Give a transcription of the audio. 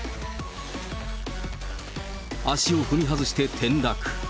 足を踏み外して転落。